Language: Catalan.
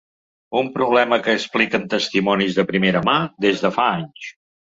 Un problema que expliquen testimonis de primera mà, des de fa anys.